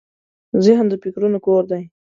ذهن د فکرونو کور دی.